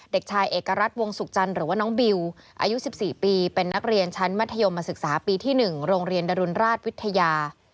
เด็กชายเอกรัฐวงศุกร์จันทร์หรือว่าน้องบิวอายุ๑๔ปีเป็นนักเรียนชั้นมัธยมศึกษาปีที่๑โรงเรียนดรุนราชวิทยา